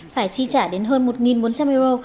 phải chi trả đến hơn một bốn trăm linh euro